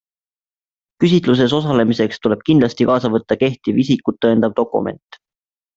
Küsitluses osalemiseks tuleb kindlasti kaasa võtta kehtiv isikut tõendav dokument.